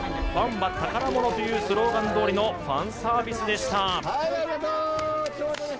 ファンは宝物というスローガンどおりのファンサービスでした。